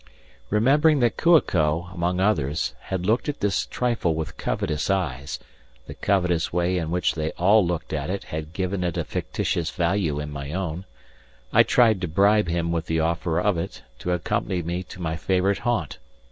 Remembering that Kua ko, among others, had looked at this trifle with covetous eyes the covetous way in which they all looked at it had given it a fictitious value in my own I tried to bribe him with the offer of it to accompany me to my favourite haunt.